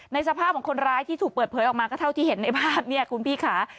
สภาพของคนร้ายที่ถูกเปิดเผยออกมาก็เท่าที่เห็นในภาพเนี่ยคุณพี่ค่ะ